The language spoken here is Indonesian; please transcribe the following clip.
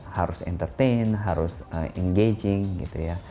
harus entertain harus engaging gitu ya